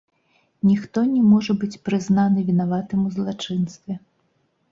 Ніхто не можа быць прызнаны вінаватым у злачынстве.